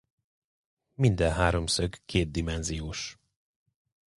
Minden háromszög kétdimenziós.